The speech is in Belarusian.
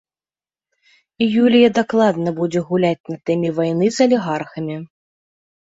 Юлія дакладна будзе гуляць на тэме вайны з алігархамі.